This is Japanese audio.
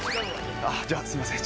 あっじゃあすみません。